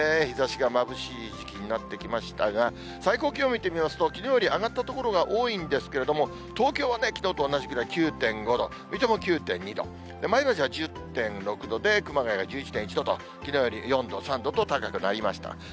日ざしがまぶしい時期になってきましたが、最高気温見てみますと、きのうより上がった所が多いんですけれども、東京はきのうと同じぐらい９．５度、水戸も９．２度、前橋は１０．６度で、熊谷が１１．１度と、きのうより４度、３度と高くなりました。